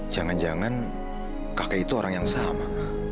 jangan jangan kakek itu orang yang sama